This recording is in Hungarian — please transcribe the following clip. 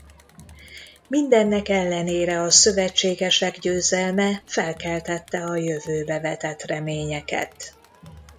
Mindennek ellenére a szövetségesek győzelme felkeltette a jövőbe vetett reményeket.